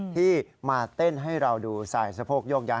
ที่มาเต้นให้เราดูสายสะโพกโยกย้าย